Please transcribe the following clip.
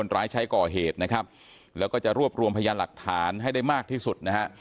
ร้ายใช้ก่อเหตุนะครับแล้วก็จะรวบรวมพยานหลักฐานให้ได้มากที่สุดนะฮะ